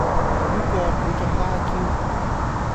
好過你中孖 Q